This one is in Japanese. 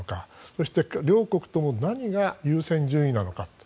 そして、両国とも何が優先順位なのかと。